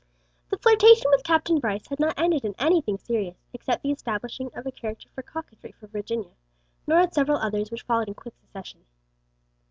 The flirtation with Captain Brice had not ended in anything serious except the establishing of a character for coquetry for Virginia nor had several others which followed in quick succession.